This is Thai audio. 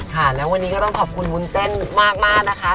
ค่ะแล้ววันนี้ก็ต้องขอบคุณวุ้นเต้นมากนะคะ